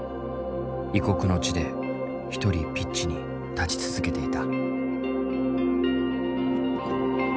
異国の地で一人ピッチに立ち続けていた。